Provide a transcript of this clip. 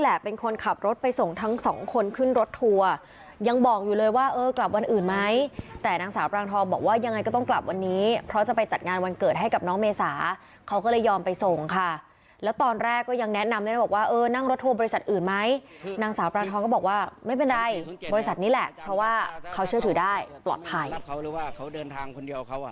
ไม่เป็นไรบริษัทนี้แหละเพราะว่าเขาเชื่อถือได้ตลอดภัย